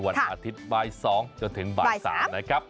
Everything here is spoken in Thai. วันอาทิตย์๒๐๐จนถึง๓๐๐นะครับ